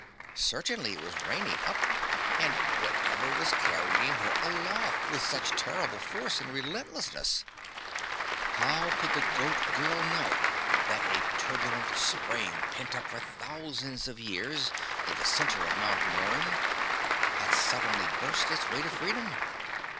Certainly it was raining up, and what ever was carrying her aloft with such terrible force and relentlessness? How could the Goat Girl know that a turbulent spring pent up for thousands of years in the center of Mt. Mern had suddenly burst its way to freedom!